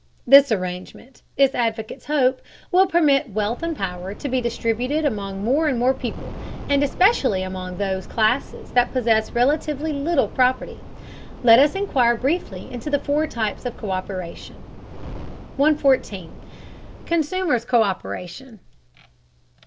This arrangement, its advocates hope, will permit wealth and power to be distributed among more and more people, and especially among those classes that possess relatively little property. Let us inquire briefly into the four types of co÷peration. 114. CONSUMERS' COÍPERATION.